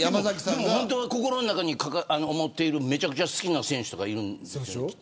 本当は心の中に思っててめちゃめちゃ好きな選手とかいるんですか。